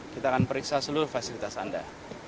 kita akan periksa seluruh fasilitas anda